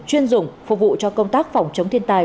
chuyên dùng phục vụ cho công tác phòng chống thiên tai